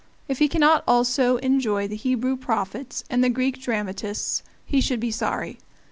If he cannot also enjoy the Hebrew prophets and the Greek dramatists, he should be sorry.